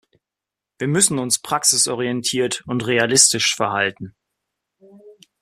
Wir müssen uns praxisorientiert und realistisch verhalten.